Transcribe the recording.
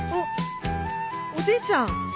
おじいちゃん！